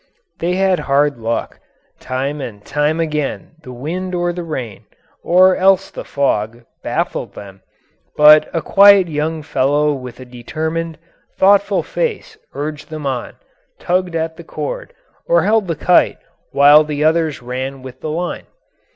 They had hard luck: time and time again the wind or the rain, or else the fog, baffled them, but a quiet young fellow with a determined, thoughtful face urged them on, tugged at the cord, or held the kite while the others ran with the line.